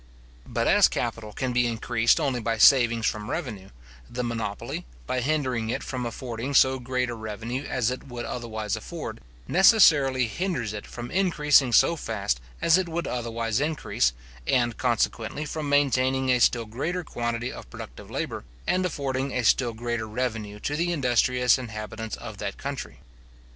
But as capital can be increased only by savings from revenue, the monopoly, by hindering it from affording so great a revenue as it would otherwise afford, necessarily hinders it from increasing so fast as it would otherwise increase, and consequently from maintaining a still greater quantity of productive labour, and affording a still greater revenue to the industrious inhabitants of that country.